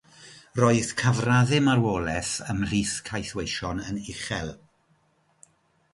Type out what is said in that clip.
Roedd cyfraddau marwolaeth ymhlith caethweision yn uchel.